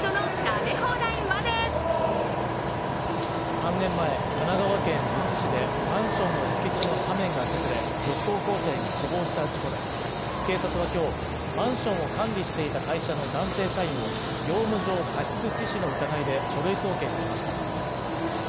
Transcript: ３年前、神奈川県逗子市でマンションの敷地の斜面が崩れ、女子高校生が死亡した事故で、警察は今日、マンションを管理していた会社の男性社員を業務上過失致死の疑いで書類送検しました。